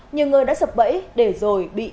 nhiều người đã sập bẫy để rồi bị